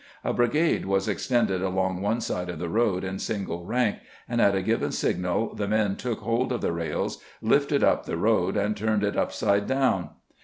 A brigade was extended along one side of the road in single rank, and at a given sig nal the men took hold of the rails, lifted up the road, and turned it upside down.